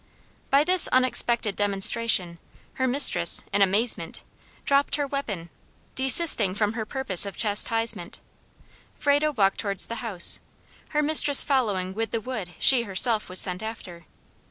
By this unexpected demonstration, her mistress, in amazement, dropped her weapon, desisting from her purpose of chastisement. Frado walked towards the house, her mistress following with the wood she herself was sent after.